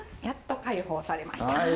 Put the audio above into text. やっと解放されました！